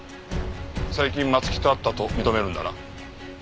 最近松木と会ったと認めるんだな。